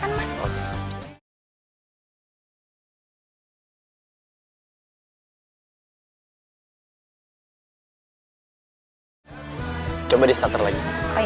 kami udah merk